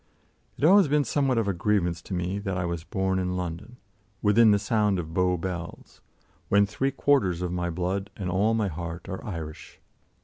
] It has always been somewhat of a grievance to me that I was born in London, "within the sound of Bow Bells," when three quarters of my blood and all my heart are Irish.